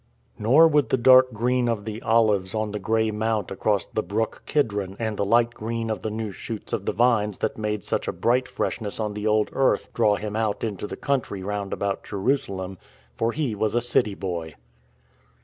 Nor would the dark green of the olives on the grey Mount across the brook Kidron and the light green of the new shoots of the vines that made such a bright freshness on the old earth draw him out into the country round about Jerusalem ; for he was a city boy.